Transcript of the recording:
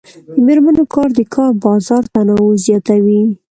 د میرمنو کار د کار بازار تنوع زیاتوي.